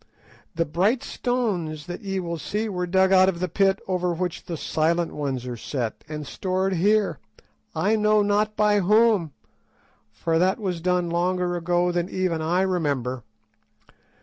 The bright stones that ye will see were dug out of the pit over which the Silent Ones are set, and stored here, I know not by whom, for that was done longer ago than even I remember.